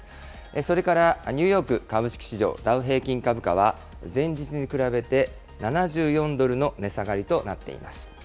それからニューヨーク株式市場、ダウ平均株価は、前日に比べて７４ドルの値下がりとなっています。